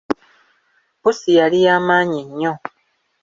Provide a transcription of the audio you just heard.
Pussi yali ya maanyi nnyo.